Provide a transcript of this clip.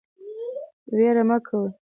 ویره مه کوئ